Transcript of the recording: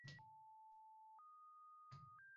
masalan, qurbaqa, qushcha, samolyot, qo‘g‘irchoq...